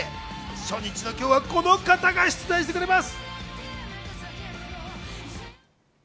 初日の今日はこの方が出題してくれます。